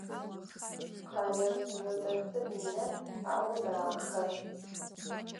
Khaleu sızıdesır yinep, au daxe.